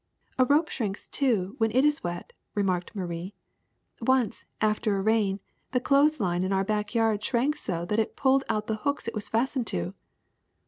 "A rope shrinks, too, when it is wet," remarked Marie. "Once, after a rain, the clothes line in our back yard shrank so that it pulled out the hooks it was fastened to."